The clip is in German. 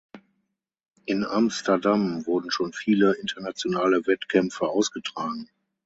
In Amsterdam wurden schon viele internationale Wettkämpfe ausgetragen.